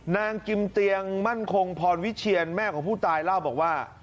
นางกิมเตียงมั่นคงพรวิเชียนแม่ของผู้ตายเล่าบอกว่า